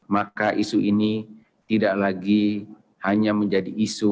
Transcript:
maka isu ini tidak lagi hanya menjadi isu